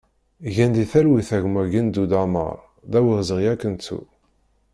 Gen di talwit a gma Gendud Amar, d awezɣi ad k-nettu!